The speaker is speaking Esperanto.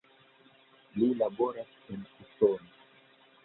Li laboras en Usono.